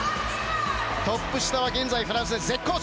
トップ下は現在フランスで絶好調！